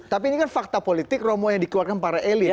tapi ini kan fakta politik romo yang dikeluarkan para elit